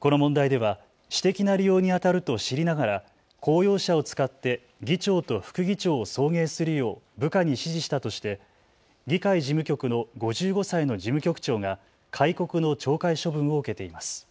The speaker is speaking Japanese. この問題では私的な利用にあたると知りながら公用車を使って議長と副議長を送迎するよう部下に指示したとして議会事務局の５５歳の事務局長が戒告の懲戒処分を受けています。